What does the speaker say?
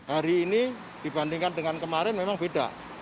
hari ini dibandingkan dengan kemarin memang beda